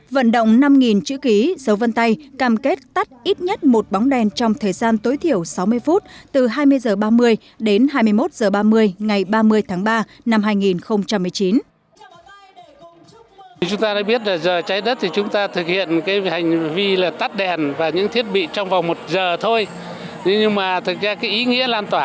vận động năm chữ ký dấu vân tay cam kết tắt ít nhất một bóng đèn trong thời gian tối thiểu sáu mươi phút từ hai mươi h ba mươi đến hai mươi một h ba mươi ngày ba mươi tháng ba năm hai nghìn một mươi chín